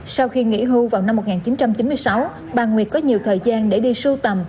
sau khi nghỉ hưu vào năm một nghìn chín trăm chín mươi sáu bà nguyệt có nhiều thời gian để đi sưu tầm